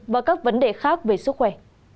và các vấn đề khác về sức khỏe